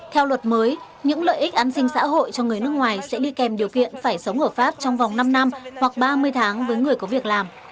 theo luật mới những lợi ích an sinh xã hội cho người nước ngoài sẽ đi kèm điều kiện phải sống ở pháp trong vòng năm năm hoặc ba mươi tháng với người có việc làm